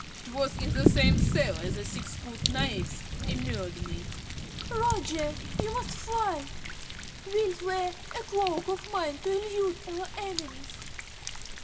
'Twas in that same cellar the thick skulled knaves immured me. ~Dorothy.~ Roger, you must fly! Wilt wear a cloak of mine to elude our enemies?